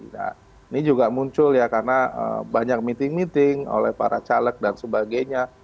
nah ini juga muncul ya karena banyak meeting meeting oleh para caleg dan sebagainya